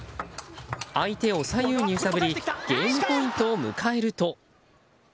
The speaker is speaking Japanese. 相手を左右に揺さぶりゲームポイントを迎えると。